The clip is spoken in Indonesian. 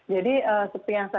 jadi seperti yang saya